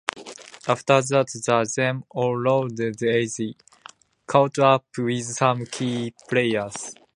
After that, the team eroded as age caught up with some key players.